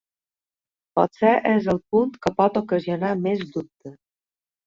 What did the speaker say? Potser és el punt que pot ocasionar més dubtes.